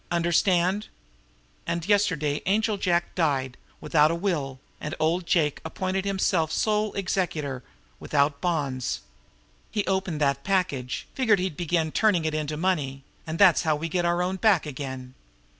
Understand? But yesterday Angel Jack died without a will; and old Jake appointed himself sole executor without bonds! He opened that package, figured he'd begin turning it into money and that's how we get our own back again.